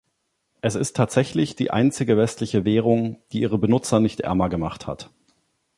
Es ist tatsächlich die einzige westliche Währung, die ihre Benutzer nicht ärmer gemacht hat.